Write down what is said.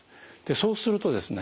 そうするとですね